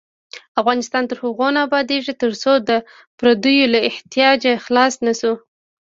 افغانستان تر هغو نه ابادیږي، ترڅو د پردیو له احتیاجه خلاص نشو.